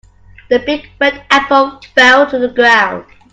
The big red apple fell to the ground.